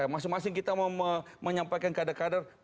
masing masing kita mau menyampaikan kader kader